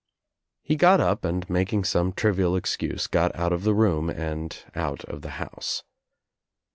He got up and making some trivial excuse got out of the room and out of the house.